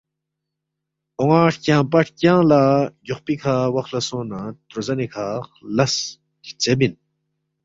اونا ہرکیانگپہ ہرکیانگ لا گیوخپی کھا وخلا سونگنہ تروزنی کھا خلاس ہلژیبین۔